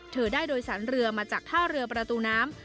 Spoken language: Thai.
เธอได้โดยสารเรือมาจากท่าเรือประตูน้ำ